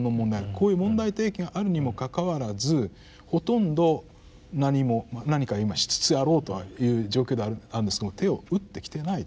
こういう問題提起があるにもかかわらずほとんど何も何か今しつつあろうとはという状況ではあるんですけども手を打ってきていない。